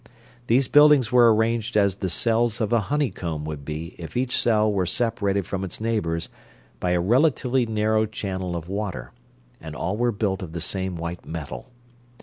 These buildings were arranged as the cells of a honeycomb would be if each cell were separated from its neighbors by a relatively narrow channel of water, and all were built of the same white metal.